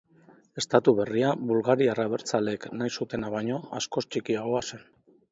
Estatu berria bulgariar abertzaleek nahi zutena baino askoz txikiagoa zen.